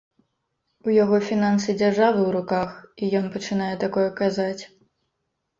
У яго фінансы дзяржавы ў руках, і ён пачынае такое казаць.